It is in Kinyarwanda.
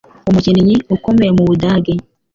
Umukinnyi ukomeye mu Budage